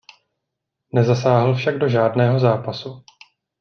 Nezasáhl však do žádného zápasu.